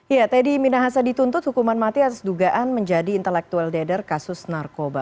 ya teddy minahasa dituntut hukuman mati atas dugaan menjadi intellectual dader kasus narkoba